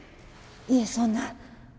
いえそんな。